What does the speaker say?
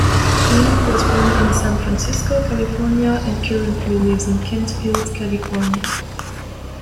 Ring was born in San Francisco, California and currently lives in Kentfield, California.